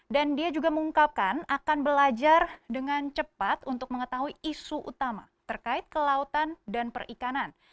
dan dia juga mengungkapkan akan belajar dengan cepat untuk mengetahui isu utama terkait kelautan dan perikanan